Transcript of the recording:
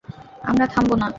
আমরা থামব না।